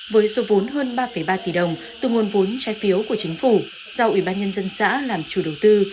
với số vốn hơn ba ba tỷ đồng từ nguồn vốn trái phiếu của chính phủ do ủy ban nhân dân xã làm chủ đầu tư